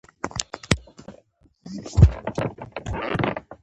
فورسټر د افغانانو زحمت کښی صفت کوي.